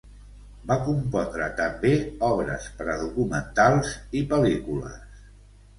Va compondre també obres per a documentals i pel·lícules.